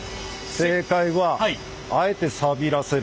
正解はあえてさびらせる。